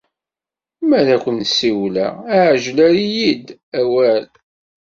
Mi ara k-in-ssiwleɣ, ɛjel, err-iyi-d awal!